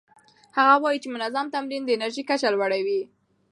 هغه وايي چې منظم تمرین د انرژۍ کچه لوړه کوي.